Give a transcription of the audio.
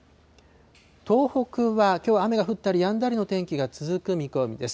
東北はきょうは雨が降ったりやんだりの天気が続く見込みです。